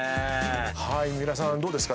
はい皆さんどうですか？